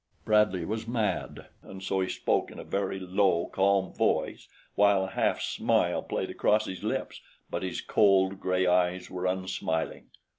Bradley was mad, and so he spoke in a very low, calm voice while a half smile played across his lips but his cold, gray eyes were unsmiling.